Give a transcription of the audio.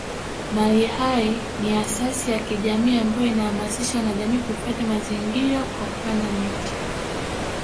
Mali Hai ni asasi ya kijamii ambayo inahamasisha wanajamii kuhifadhi mazingiÅa kwa kupanda miti